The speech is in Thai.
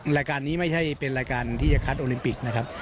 รายการนี้ไม่ใช่เป็นรายการที่จะคัดโอลิมปิกนะครับ